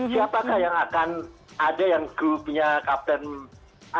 siapakah yang akan ada yang grupnya captain america